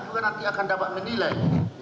juga nanti akan dapat menilai